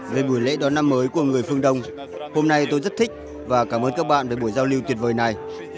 về buổi lễ đón năm mới của người phương đông hôm nay tôi rất thích và cảm ơn các bạn về buổi giao lưu tuyệt vời này